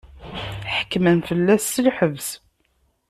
Ḥekmen fell-as s lḥebs.